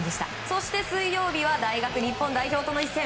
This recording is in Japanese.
そして水曜日は大学日本代表との一戦。